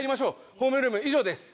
ホームルーム以上です。